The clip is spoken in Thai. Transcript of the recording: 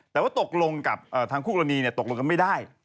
แต่ว่าตกลงกับทางคู่กรณีตกลงกันไม่ได้